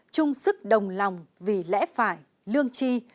chung sức đồng lòng vì lẽ phải lương tri